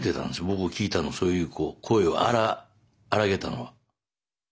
僕が聞いたのそういう声をあらげたのは。